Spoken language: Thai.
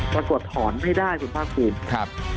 ปรากฏถอนไม่ได้คุณภาคภูมิครับ